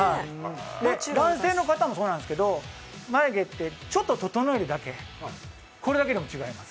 男性の方もそうなんですけど、眉毛ってちょっと整えるだけ、これでも違います。